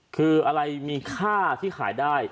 คืออะไรมีค่าที่ขายได้